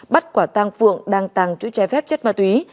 bắt quả tăng phượng đăng tăng chữ che phép chất ma túy